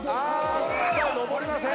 上れません。